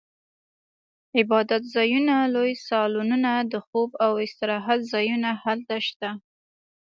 عبادتځایونه، لوی سالونونه، د خوب او استراحت ځایونه هلته شته.